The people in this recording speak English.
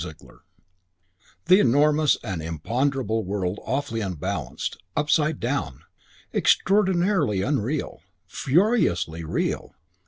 CHAPTER V I The enormous and imponderable world awfully unbalanced. Upside down. Extraordinarily unreal. Furiously real.